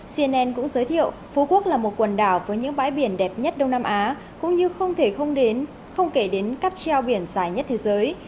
cnn cũng giới thiệu phú quốc là một quần đảo với những bãi biển đẹp nhất đông nam á cũng như không thể không kể đến cắp treo biển dài nhất thế giới